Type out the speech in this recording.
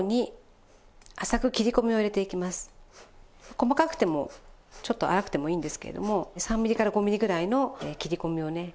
細かくてもちょっと粗くてもいいんですけれども３ミリから５ミリぐらいの切り込みをね